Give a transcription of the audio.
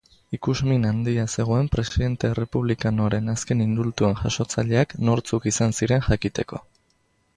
Ikusmin handia zegoen presidente errepublikanoaren azken indultuen jasotzaileak nortzuk izan ziren jakiteko.